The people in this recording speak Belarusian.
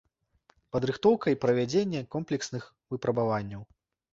Падрыхтоўка і правядзенне комплексных выпрабаванняў.